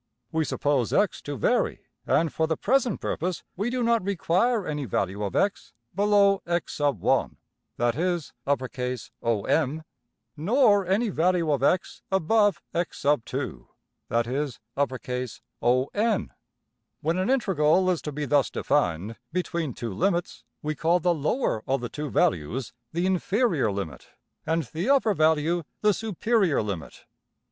We suppose $x$ to vary, and for the present purpose we do not require any value of~$x$ below~$x_1$ (that is~$OM$), nor any value of~$x$ above~$x_2$ (that is~$ON$). When an integral is to be thus defined between two limits, we call the lower of the two values \emph{the inferior limit}, and the upper value \emph{the superior limit}.